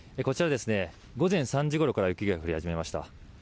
こちら、午前３時ごろから雪が降り始めました。